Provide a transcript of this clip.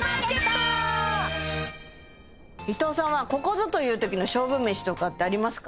伊藤さんはここぞというときの勝負飯とかってありますか？